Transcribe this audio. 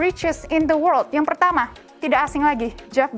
dan ini adalah top lima richest in the world yang pertama tidak asing lagi jeff bezos